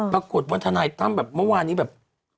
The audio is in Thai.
ปรากฏว่าทนายตั้มแบบเมื่อวานนี้แบบ